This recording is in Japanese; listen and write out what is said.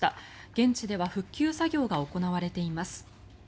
現地では復旧作業が行われています。